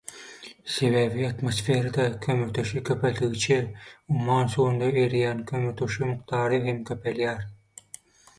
Sebäbi atmosferada kömürturşy köpeldigiçe umman suwunda ereýän kömürturşy mukdary hem köpelýär.